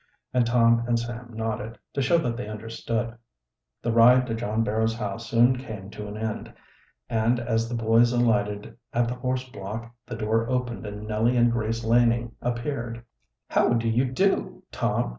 And Tom and Sam nodded, to show that they understood. The ride to John Barrow's house soon came to an end, and as the boys alighted at the horseblock the door opened and Nellie and Grace Laning appeared. "How do you do, Tom!"